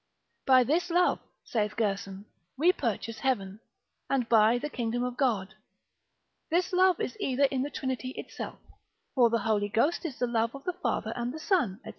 By this love (saith Gerson) we purchase heaven, and buy the kingdom of God. This love is either in the Trinity itself (for the Holy Ghost is the love of the Father and the Son, &c.